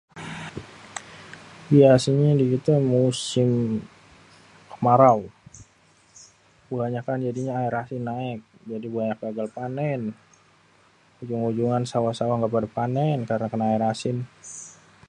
Biasanyé di kité musim kemarau banyakan jadinya aér asin naék. Jadi banyak gagal panen. Ujung-ujungan sawah-sawah gak pada panen karna kèna aér asin.